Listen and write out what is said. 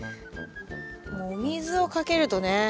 もうお水をかけるとね。